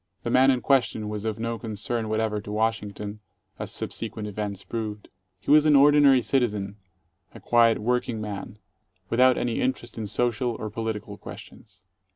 The man in question was of no concern whatever to Washington, as subsequent events proved. He was an ordinary citizen, a quiet work ing man, without any interest in social or political questions.